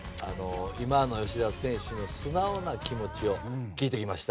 今の吉田選手の素直な気持ちを聞いてきました。